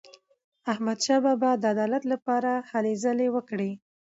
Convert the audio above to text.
احمدشاه بابا د عدالت لپاره هلې ځلې وکړې.